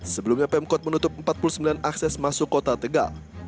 sebelumnya pemkot menutup empat puluh sembilan akses masuk kota tegal